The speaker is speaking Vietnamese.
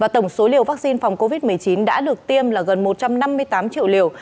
tổng số liều vaccine phòng covid một mươi chín đã được tiêm là gần một trăm năm mươi tám triệu liều